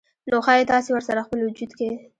نو ښايي تاسې ورسره خپل وجود کې